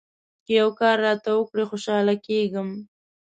که یو کار راته وکړې ، خوشاله کېږم.